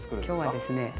今日はですね